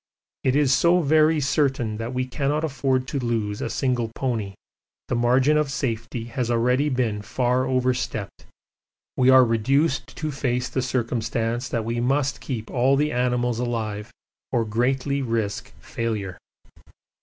It is so very certain that we cannot afford to lose a single pony the margin of safety has already been far overstepped, we are reduced to face the circumstance that we must keep all the animals alive or greatly risk failure.